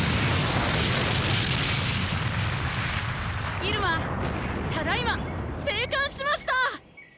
入間ただいま生還しましたぁ！